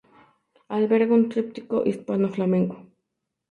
Alberga un tríptico hispano-flamenco.